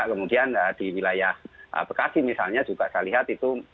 kemudian di wilayah bekasi misalnya juga saya lihat itu